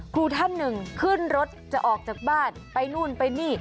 ครูท่านหนึ่งขึ้นรถจะออกจากบ้านไปนู่นไปนี่